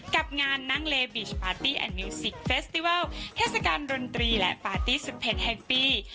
กับงานนั่งเลบีชปาร์ตี้แอนมิวสิกเฟสติวัลเทศกาลดนตรีและปาร์ตี้สุดเผ็ดแห่งปี